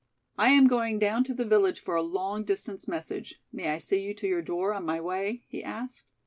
"I am going down to the village for a long distance message. May I see you to your door on my way?" he asked.